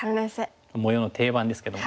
模様の定番ですけども。